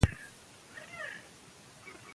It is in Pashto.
د ماشوم د ښوونې مسئولیت والدین لري.